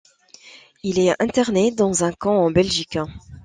Il est interné dans un camp en Belgique.